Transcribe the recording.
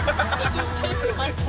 緊張しました？